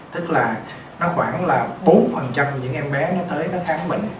tức là nó khoảng là bốn những em bé nó tới nó khám bệnh